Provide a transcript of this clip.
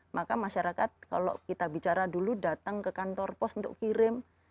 maka masyarakat kalau kita bicara dulu datang ke kantor pos untuk kirim